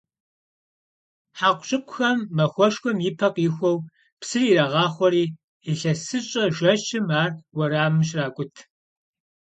Хьэкъущыкъухэм махуэшхуэм и пэ къихуэу псы ирагъахъуэри, илъэсыщӀэ жэщым ар уэрамым щракӀут.